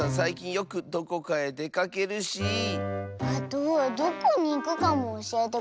あとどこにいくかもおしえてくれないし。